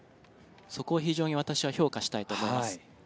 そこを非常に私は評価したいと思います。